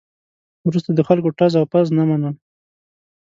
وروسته د خلکو ټز او پز نه منم.